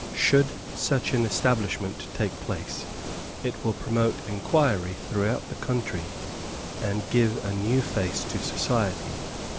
Should such an establishment take place, it will promote inquiry throughout the country, and give a new face to society.